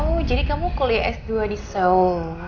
oh jadi kamu kuliah s dua di seoul